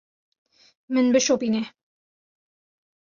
Min bişopîne.